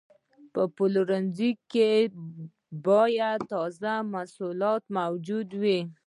په پلورنځي کې باید تازه محصولات موجود وي.